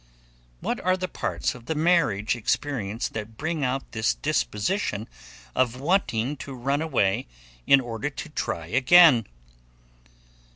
What are the parts of the marriage experience that bring out this disposition of wanting to run away in order to try again?